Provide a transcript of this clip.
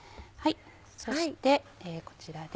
そしてこちらで。